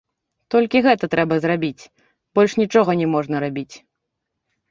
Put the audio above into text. Толькі гэта трэба зрабіць, больш нічога не можна рабіць.